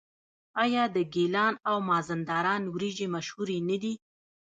آیا د ګیلان او مازندران وریجې مشهورې نه دي؟